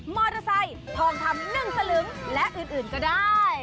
มอเตอร์ไซค์ทองคำ๑สลึงและอื่นก็ได้